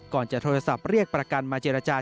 ก่อนจะโทรศัพท์เรียกประกันมาเจรจา